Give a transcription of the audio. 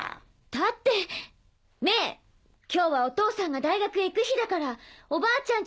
だってメイ今日はお父さんが大学へ行く日だからおばあちゃん